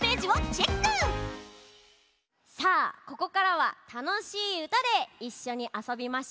さあここからはたのしいうたでいっしょにあそびましょう。